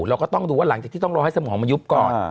เราก็ต้องดูว่าหลังจากที่ต้องรอให้สมองมันยุบก่อน